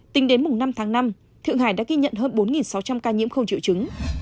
tính đến năm tháng năm thượng hải đã ghi nhận hơn bốn sáu trăm linh ca nhiễm không triệu chứng